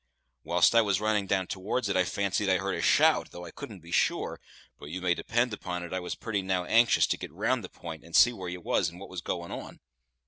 Whilst I was running down towards it I fancied I heard a shout, though I couldn't be sure, but you may depend upon it I was now pretty anxious to get round the p'int, and see where you was and what was going on.